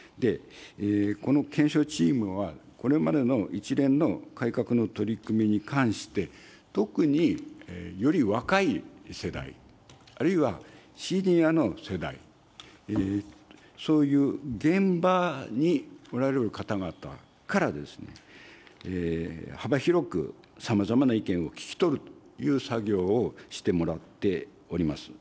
この検証チームは、これまでの一連の改革の取り組みに関して、特により若い世代、あるいはシニアの世代、そういう現場におられる方々から、幅広くさまざまな意見を聞き取るという作業をしてもらっております。